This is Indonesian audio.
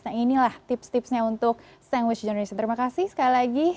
nah inilah tips tipsnya untuk sandwich indonesia terima kasih sekali lagi